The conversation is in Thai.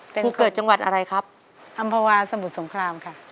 ที่เกิดจังหวัดอะไรครับอัมพวาศมุสสงครามค่ะ